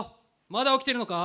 まだ起きてるのか？